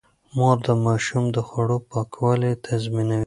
مور د ماشوم د خوړو پاکوالی تضمينوي.